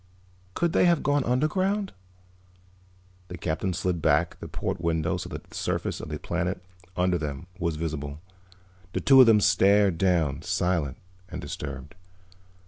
"Could they have gone underground?" The Captain slid back the port window so that the surface of the planet under them was visible. The two of them stared down, silent and disturbed.